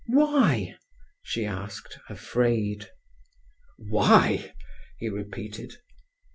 "Why?" she asked, afraid. "Why!" he repeated.